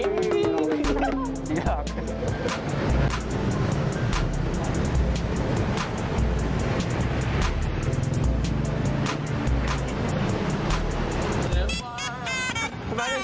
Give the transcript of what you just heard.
เข้าไปหนึ่งเข้าไปหนึ่ง